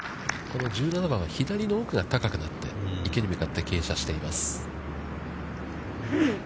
この１７番は、左の奥が高くなって、池に向かって傾斜しています。